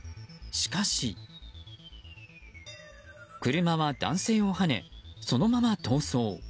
しかし、車は男性をはねそのまま逃走。